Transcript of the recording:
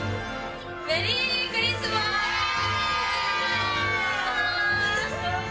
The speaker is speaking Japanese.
メリークリスマス。